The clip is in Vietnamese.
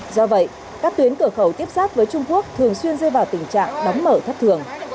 do vậy các tuyến cửa khẩu tiếp xác với trung quốc thường xuyên rơi vào tình trạng đóng mở thất thường